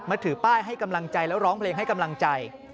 ถือป้ายให้กำลังใจแล้วร้องเพลงให้กำลังใจ